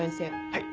はい。